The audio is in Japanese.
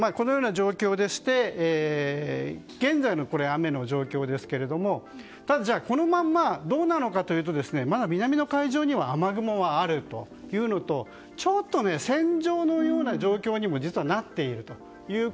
現在の雨の状況ですがただ、このまんまどうなのかというとまだ南の海上には雨雲があるというのとちょっと線状のような状況にもなっていると。